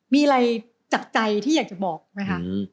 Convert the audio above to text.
มีอะไรจากใจที่อยากจะบอกไหมคะ